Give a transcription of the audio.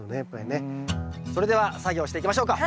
それでは作業していきましょうか！